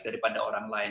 daripada orang lain